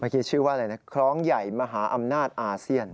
ชื่อว่าอะไรนะคล้องใหญ่มหาอำนาจอาเซียน